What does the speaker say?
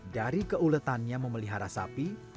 dari keuletannya memelihara sapi